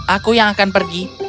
aku yang akan pergi